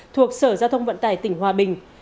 thuộc sở giao thông vận tải tỉnh hòa bình